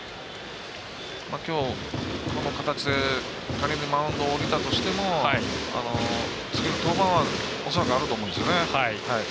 きょう、この形で仮にマウンドを降りたとしても次の登板は恐らくあると思うんですよね。